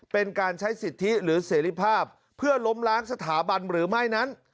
เป็นการใช้สิทธิหรือเสรีภาพเพื่อล้มล้างสถาบันหรือไม่นั้น